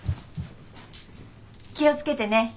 気を付けてね。